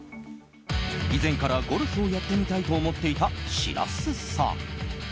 以前からゴルフをやってみたいと思っていた白洲さん。